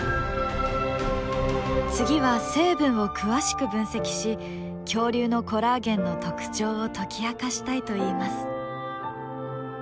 次は成分を詳しく分析し恐竜のコラーゲンの特徴を解き明かしたいといいます。